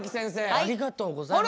ありがとうございます。